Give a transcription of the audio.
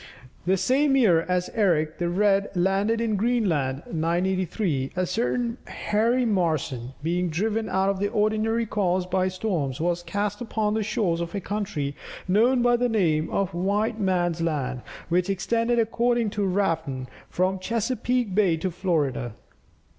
The same year as Erik the Red landed in Greenland (983), a certain Hari Marson, being driven out of the ordinary course by storms, was cast upon the shores of a country known by the name of "White man's land," which extended according to Rafn from Chesapeake Bay to Florida.